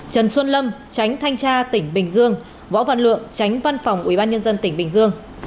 trần xuân lâm tránh thanh tra tỉnh bình dương võ văn lượng tránh văn phòng ủy ban nhân dân tỉnh bình dương